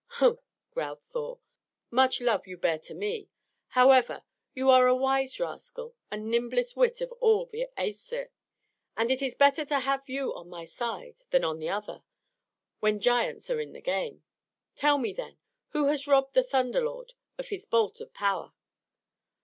"Humph!" growled Thor. "Much love you bear to me! However, you are a wise rascal, the nimblest wit of all the Æsir, and it is better to have you on my side than on the other, when giants are in the game. Tell me, then: who has robbed the Thunder Lord of his bolt of power?"